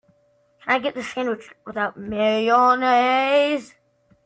Can I get the sandwich without mayonnaise?